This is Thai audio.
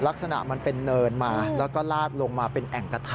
ลักษณะมันเป็นเนินมาแล้วก็ลาดลงมาเป็นแอ่งกระทะ